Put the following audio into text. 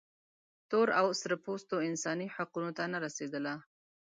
تور او سره پوستو انساني حقونو ته نه رسېدله.